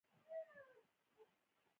یوازې د بیرغ له نښان پرته یې څه نه لري.